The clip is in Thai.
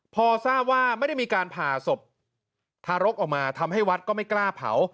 พอทราบว่าไม่ได้มีการผ่าศพทารกออกมาทำให้วัดก็ไม่กล้าเผา